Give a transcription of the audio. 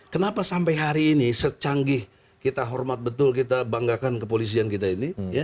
kenapa sampai hari ini secanggih kita hormat betul kita banggakan kepolisian kita ini